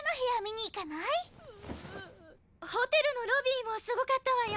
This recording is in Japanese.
ホテルのロビーもすごかったわよ？